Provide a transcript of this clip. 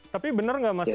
tapi bener nggak mas ini